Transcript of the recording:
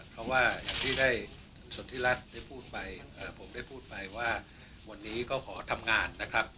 เพราะว่าอย่างที่ได้คุณสนทิรัฐได้พูดไปผมได้พูดไปว่าวันนี้ก็ขอทำงานนะครับ